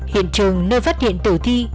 hiện trường nơi phát hiện tử thi